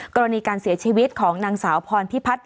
กรณีการเสียชีวิตของนางสาวพรพิพัฒน์